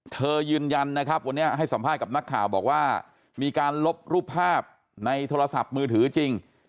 ยืนยันนะครับวันนี้ให้สัมภาษณ์กับนักข่าวบอกว่ามีการลบรูปภาพในโทรศัพท์มือถือจริง